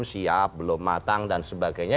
siap belum matang dan sebagainya